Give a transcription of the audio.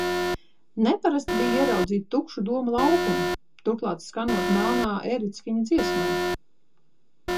Neparasti bija ieraudzīt tukšu Doma laukumu, turklāt skanot melnā erickiņa dziesmai.